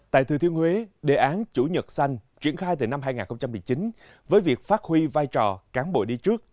tại thừa thiên huế đề án chủ nhật xanh triển khai từ năm hai nghìn một mươi chín với việc phát huy vai trò cán bộ đi trước